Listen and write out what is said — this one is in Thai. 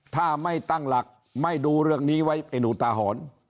ถ้าไม่ตั้งหลักไม่ดูเรื่องนี้ไว้เป็นอุทาหรณ์